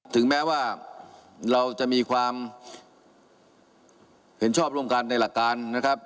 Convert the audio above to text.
ถึงแม้ว่าเราจะมีความเห็นชอบร่วมกันในหลักการนะครับ